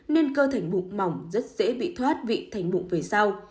nên cơ thành bục mỏng rất dễ bị thoát vị thành bụng về sau